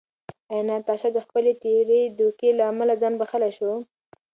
ایا ناتاشا د خپلې تېرې دوکې له امله ځان بښلی شو؟